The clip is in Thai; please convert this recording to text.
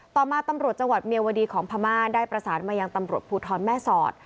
ต่อมาตำรวจจังหวัดเมียวดีของพม่าได้ประสานมายังตำรวจภูทรแม่สอด